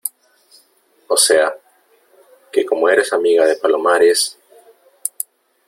o sea , que como eres amiga de Palomares ,